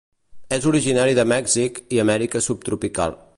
És originari de Mèxic i Amèrica subtropical.